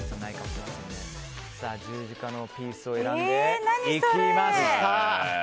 十字架のピースを選んでいきました！